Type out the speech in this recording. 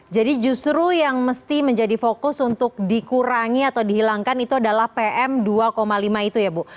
jadi justru yang mesti menjadi fokus untuk dikurangi atau dihilangkan itu adalah pm dua lima itu ya bu